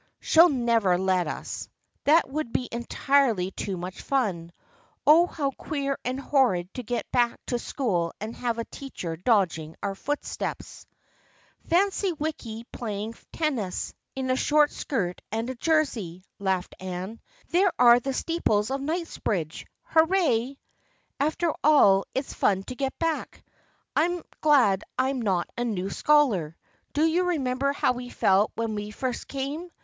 " She'll never let us. That would be entirely too much fun. Oh, how queer and horrid to get back to school and have a teacher dogging our footsteps." " Fancy Wicky playing tennis, in a short skirt and a jersey !" laughed Anne. " There are the steeples of Kingsbridge. Hurray ! After all, it's fun to get back. I'm glad I'm not a new scholar. Do you remember how we felt when we first came